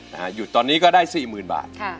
หยุดตอนนี้ก็ได้๔๐๐๐บาท